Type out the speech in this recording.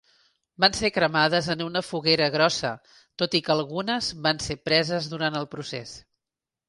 Van ser cremades en una foguera grossa, tot i que algunes van ser preses durant el procés.